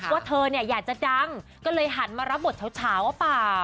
ว่าเธอเนี่ยอยากจะดังก็เลยหันมารับบทเฉาว่าเปล่า